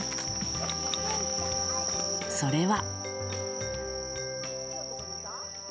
それは。